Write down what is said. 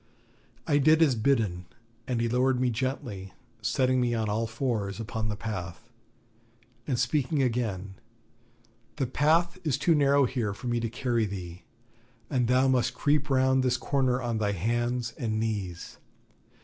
I did as bidden, and he lowered me gently, setting me on all fours upon the path; and speaking again: 'The path is too narrow here for me to carry thee, and thou must creep round this corner on thy hands and knees.